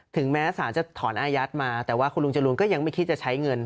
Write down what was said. ถึงแม้สารจะถอนอายัดมาแต่ว่าคุณลุงจรูนก็ยังไม่คิดจะใช้เงิน